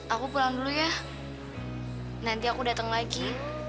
aku pulang dulu ya nanti aku datang lagi